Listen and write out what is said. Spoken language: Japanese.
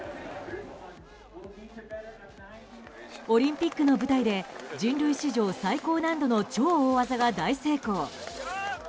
オリンピックの舞台で人類史上最高難度の超大技が大成功。